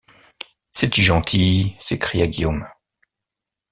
C’est-y gentil! s’écria Guillaume.